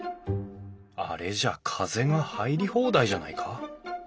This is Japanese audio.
あれじゃ風が入り放題じゃないか。